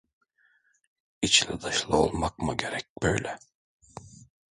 İçli dışlı olmak mı gerek böyle?